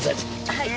はい。